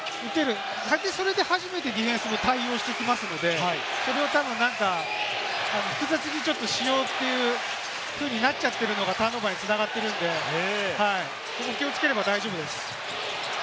それで初めてディフェンスも対応してきますので、それをたぶんなんか複雑にちょっとしようというふうになっちゃってるのがターンオーバーに繋がっているんで、気をつければ大丈夫です。